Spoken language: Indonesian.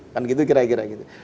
kan gitu kira kira gitu